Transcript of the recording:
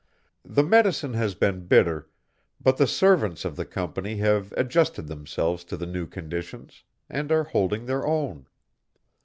The medicine has been bitter, but the servants of the Company have adjusted themselves to the new conditions, and are holding their own.